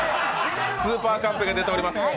スーパーカンペが出ております。